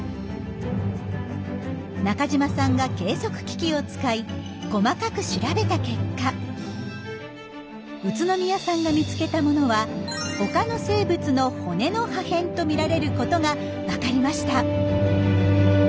中島さんが計測機器を使い細かく調べた結果宇都宮さんが見つけたものは他の生物の骨の破片と見られることが分かりました。